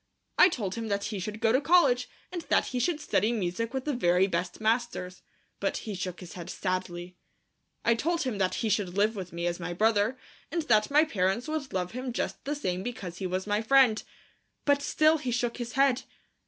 I told him that he should go to college and that he should study music with the very best masters, but he shook his head sadly. I told him that he should live with me as my brother, and that my parents would love him just the same because he was my friend. But still he shook his head.